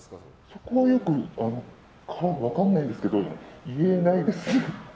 そこはよく分かんないですけど言えないです。